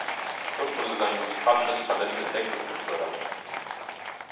Dort wurde sein musikalisches Talent entdeckt und gefördert.